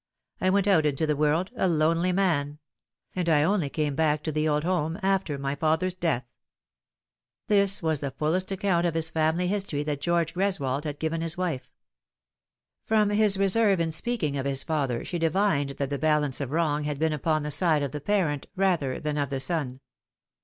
I went out into the world, a lonely man ; and I only came back to the old home after my father's death." This was the fullest account of his family history that George Greswold had given his wife. From his reserve in speaking of his father she divined that the balance of wrong had been upon the side of the parent rather than of the son.